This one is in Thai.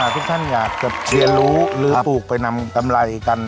ทุกท่านอยากจะเรียนรู้หรือปลูกไปนำกำไรกัน